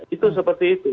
itu seperti itu